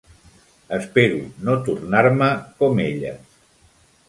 Espero no tornar-me com elles.